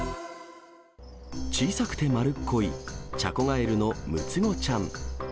小さくて丸っこい、チャコガエルのむつごちゃん。